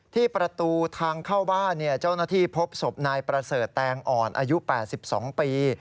ที่ประตูทางเข้าบ้านเจ้าหน้าที่พบศพนายประเสริฐแตงอ่อนอายุ๘๒ปี